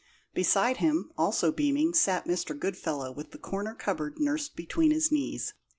Beside him, also beaming, sat Mr. Goodfellow, with the corner cupboard nursed between his knees.